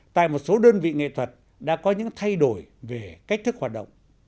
tại một số đơn vị nghệ thuật đã có những thay đổi về cách thức hoạt động